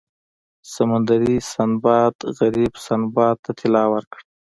سمندري سنباد غریب سنباد ته طلا ورکړه.